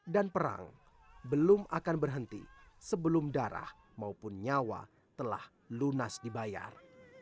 dan perang belum akan berhenti sebelum darah maupun nyawa telah lunas dibayar